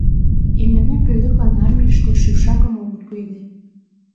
Именной пӧлеклан армийыште шӱкшакым огыт пуэде.